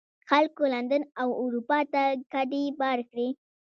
خلکو لندن او اروپا ته کډې بار کړې.